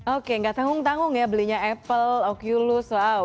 oke gak tanggung tanggung ya belinya apple oculus wow